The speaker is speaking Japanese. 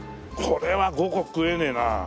これは５個食えねえなあ。